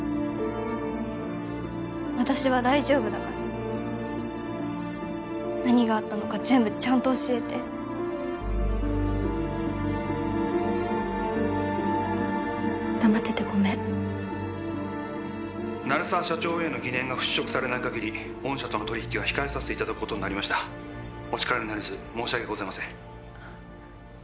私は大丈夫だから何があったのか全部ちゃんと教えて黙っててごめん鳴沢社長への疑念が払拭されないかぎり御社との取り引きは控えさせていただくことになりましたお力になれず申し訳ございません